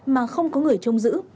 mà không có người trông giữ